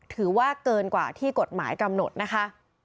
ถือว่าเกินกว่าที่กฎหมายกำหนดนะคะ